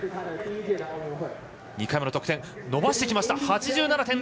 ２回目の得点伸ばしてきました。